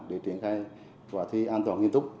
để triển khai và thi an toàn nghiên túc